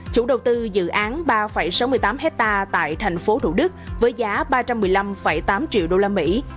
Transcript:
chủ đầu tư dự án ba sáu mươi tám hectare tại thành phố thủ đức với giá ba trăm một mươi năm tám triệu đô la mỹ